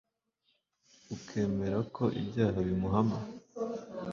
ukemera ko ibyaha bimuhama